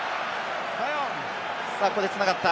ここで繋がった。